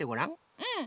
うん。